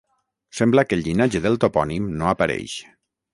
Sembla que el llinatge del topònim no apareix.